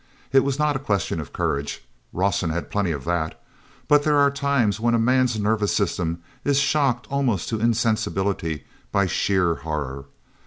It was not a question of courage—Rawson had plenty of that—but there are times when a man's nervous system is shocked almost to insensibility by sheer horror.